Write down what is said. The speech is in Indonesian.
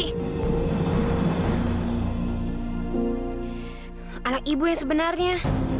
anak ibu yang sebenarnya